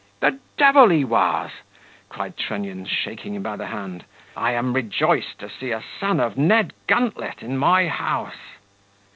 "The devil he was!" cried Trunnion, shaking him by the hand: "I am rejoiced to see a son of Ned Guntlet in my house."